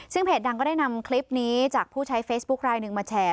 ซึ่งเพจดังก็ได้นำคลิปนี้จากผู้ใช้เฟซบุ๊คลายหนึ่งมาแชร์